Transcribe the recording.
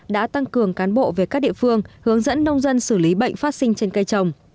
đã tăng cường cán bộ về các địa phương hướng dẫn nông dân xử lý bệnh phát sinh trên cây trồng